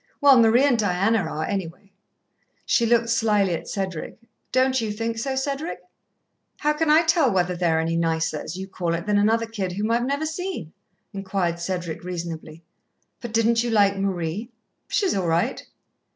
"Well, Marie and Diana are, anyway." She looked slyly at Cedric. "Don't you think so, Cedric?" "How can I tell whether they are any nicer, as you call it, than another kid whom I've never seen?" inquired Cedric reasonably. "But didn't you like Marie?" "She's all right."